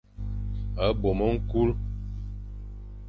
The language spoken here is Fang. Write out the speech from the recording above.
Bôm ñkul.